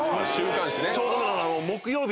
ちょうど。